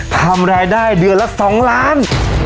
ทำรายได้เดือนละ๒ล้าน